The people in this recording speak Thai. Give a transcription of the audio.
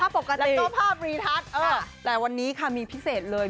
ภาพปกติแล้วก็ภาพรีทัชค่ะแต่วันนี้ค่ะมีพิเศษเลย